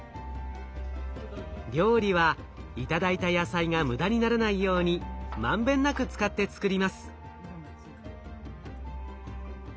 料理は頂いた野菜が無駄にならないように満遍なく使って作ります。